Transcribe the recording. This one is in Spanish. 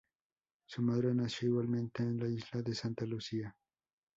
Su madre nació igualmente en la isla de Santa Lucía.